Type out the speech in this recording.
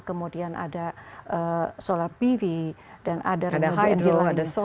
kemudian ada solar pv dan ada renewable energy lainnya